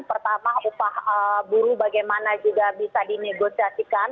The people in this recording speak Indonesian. pertama upah buruh bagaimana juga bisa dinegosiasikan